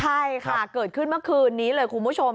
ใช่ค่ะเกิดขึ้นเมื่อคืนนี้เลยคุณผู้ชม